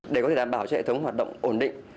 để có thể đảm bảo cho hệ thống hoạt động ổn định